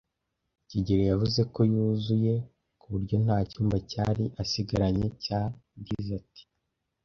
kigeli yavuze ko yuzuye kuburyo nta cyumba yari asigaranye cya dessert.